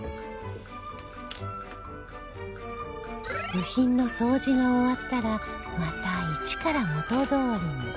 部品の掃除が終わったらまた一から元どおりに